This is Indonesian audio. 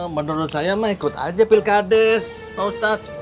menurut saya mah ikut aja pilkades pak ustadz